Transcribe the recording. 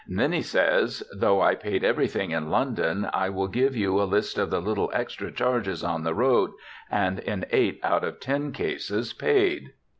Then he says, ' Though I paid everything in London, I will give you a list of the little extra charges on the road, and in eight out of ten cases paid.'